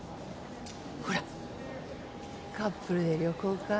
ほらカップルで旅行かぁ。